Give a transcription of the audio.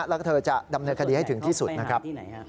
แล้วก็เธอจะดำเนินคดีให้ถึงที่สุดนะครับ